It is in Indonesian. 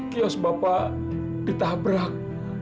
kios bapak ditabrak